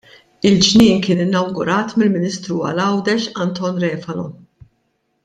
Il-ġnien kien inawgurat mill-Ministru għal Għawdex Anton Refalo.